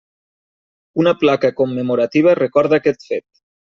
Una placa commemorativa recorda aquest fet.